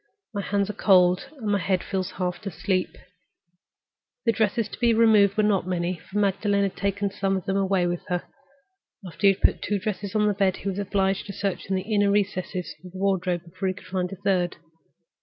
"My hands are cold, and my head feels half asleep." The dresses to be removed were not many, for Magdalen had taken some of them away with her. After he had put two dresses on the bed, he was obliged to search in the inner recesses of the wardrobe before he could find a third.